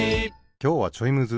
きょうはちょいむず。